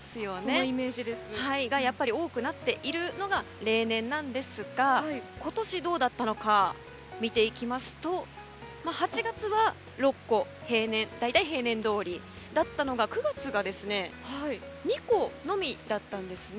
そこが多くなっているのが例年なんですが今年どうだったのか見ていきますと８月は６個大体平年どおりだったのが９月が２個のみだったんですね。